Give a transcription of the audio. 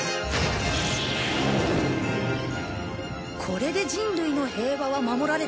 これで人類の平和は守られた。